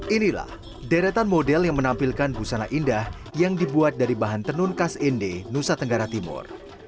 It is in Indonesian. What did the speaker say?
inilah deretan model yang menampilkan busana indah yang dibuat dari bahan tenun khas inde nusa tenggara timur